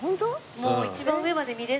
もう一番上まで見れないぐらいの。